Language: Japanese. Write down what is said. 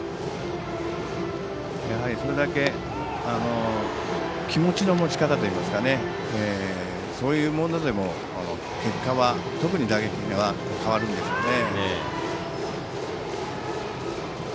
それだけ気持ちの持ち方といいますかそういうものでも結果は特に打撃は変わるんでしょうね。